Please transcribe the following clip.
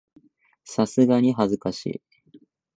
さすがに恥ずかしい